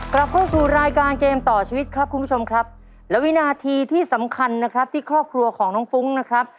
กลับเข้าสู่รายการเกมต่อชีวิตครับคุณผู้ชมครับและวินาทีที่สำคัญนะครับที่ครอบครัวของน้องฟุ้งนะครับ